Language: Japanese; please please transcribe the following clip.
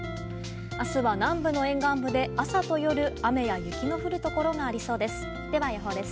明日は南部の沿岸部で朝と夜、雨や雪が降るところがありそうです。